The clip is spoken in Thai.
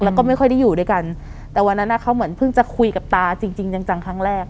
แล้วก็ไม่ค่อยได้อยู่ด้วยกันแต่วันนั้นเขาเหมือนเพิ่งจะคุยกับตาจริงจริงจังครั้งแรก